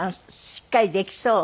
しっかりできそう。